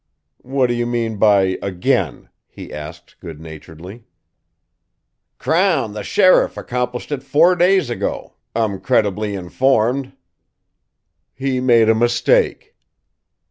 "What do you mean by 'again'?" he asked, good naturedly. "Crown, the sheriff, accomplished it four days ago, I'm credibly informed." "He made a mistake."